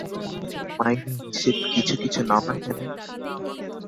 মাইনে হিসেবে কিছু কিছু নাও না কেন?